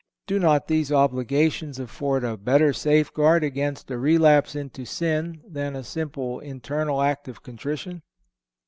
Do not these obligations afford a better safeguard against a relapse into sin than a simple internal act of contrition?